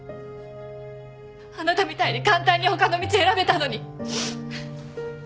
あなたみたいに簡単に他の道選べたのに！